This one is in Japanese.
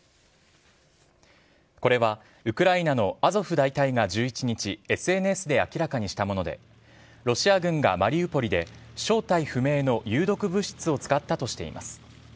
これはウクライナのアゾフ大隊が１１日、ＳＮＳで明らかにしたもので、ロシア軍がマリウポリで正体不明の有毒物質を使ったとしています。